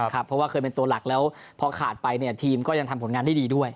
เพราะว่าเคยเป็นตัวหลักแล้วพอขาดไปเนี่ยทีมก็ยังทำผลงานได้ดีด้วย